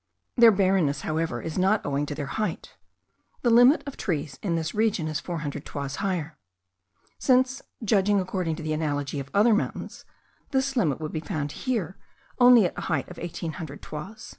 Their barrenness, however, is not owing to their height: the limit of trees in this region is four hundred toises higher; since, judging according to the analogy of other mountains, this limit would be found here only at a height of eighteen hundred toises.